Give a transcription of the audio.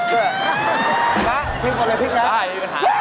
มาชิมก่อนเลยพริกนะได้ค่ะ